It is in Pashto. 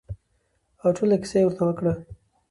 او ټوله کېسه يې ورته وکړه.